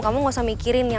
kamu gak usah mikirin ya